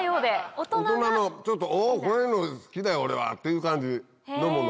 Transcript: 大人の「おこういうの好きだよ俺は」っていう感じのもの。